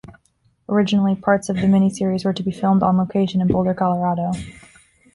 Originally, parts of the miniseries were to be filmed on location in Boulder, Colorado.